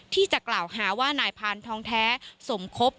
ที่จะกล่าวหาว่านายพานทองแท้สมคบ